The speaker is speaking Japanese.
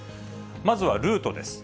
まずはルートです。